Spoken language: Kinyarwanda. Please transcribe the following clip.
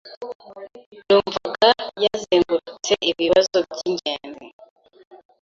Numvaga yazengurutse ibibazo byingenzi.